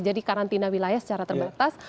jadi karantina wilayah secara terbatas